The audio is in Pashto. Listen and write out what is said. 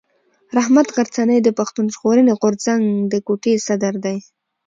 رحمت غرڅنی د پښتون ژغورني غورځنګ د کوټي صدر دی.